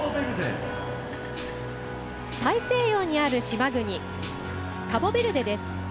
太平洋にある島国カボベルデです。